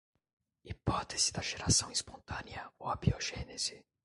Hipótese da geração espontânea ou abiogênese